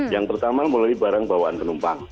yang pertama mulai dari barang bawaan penumpang